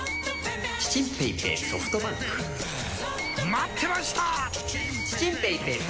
待ってました！